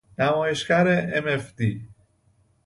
نمایشگر ام اف دی